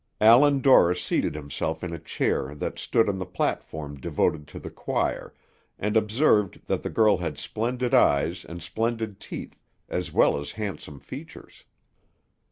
Allan Dorris seated himself in a chair that stood on the platform devoted to the choir, and observed that the girl had splendid eyes and splendid teeth, as well as handsome features.